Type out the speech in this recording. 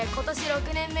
６年目！